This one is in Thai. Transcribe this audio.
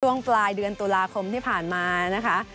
ช่วงปลายเดือนตุลาคมที่ผ่านมานะคะ